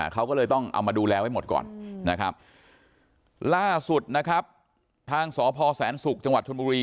เขาก็เลยต้องเอามาดูแลไว้หมดก่อนนะครับล่าสุดนะครับทางสพแสนศุกร์จังหวัดชนบุรี